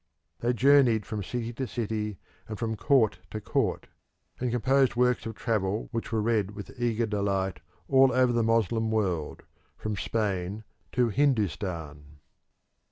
They journeyed from city to city and from court to court, and composed works of travel which were read with eager delight all over the Moslem world, from Spain to Hindustan.